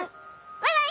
バイバイ。